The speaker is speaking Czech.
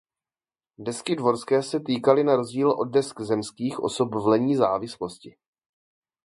Desky dvorské se týkaly na rozdíl od desk zemských osob v lenní závislosti.